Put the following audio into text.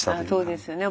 そうですよね。